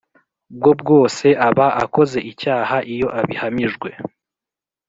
Bwo Bwose Aba Akoze Icyaha Iyo Abihamijwe